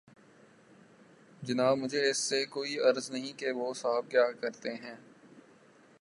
جناب مجھے اس سے کوئی غرض نہیں کہ وہ صاحب کیا کرتے ہیں۔